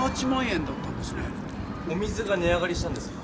お水がね上がりしたんですか？